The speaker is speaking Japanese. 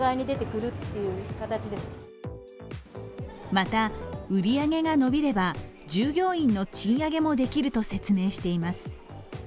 また売り上げが伸びれば、従業員の賃上げもできると説明しています。